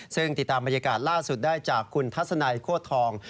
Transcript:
ซึ่งติดตามบรรยากาศล่าสุดได้จากคุณทัศนัยโคตรทอง